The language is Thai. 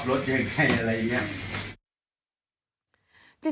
ใครที่รถขับรถยังไงอะไรอย่างนี้